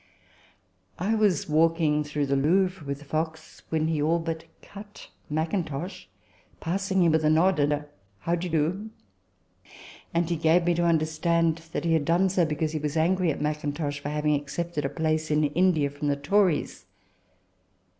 I was walking through the Louvre with Fox, when he all but cut Mackintosh, passing him with a nod and a " How d'ye do ?" and he gave me to understand that he had done so because he was angry at Mackintosh for having accepted a place in India from the Tories.